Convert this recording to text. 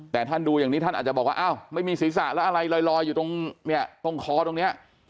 แต่ท่านดูอย่างนี้ท่านอาจจะบอกว่าอ้าวไม่มีศีรษะแล้วอะไรลอยอยู่ตรงเนี่ยตรงคอตรงนี้